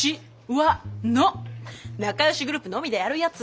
仲よしグループのみでやるやつ。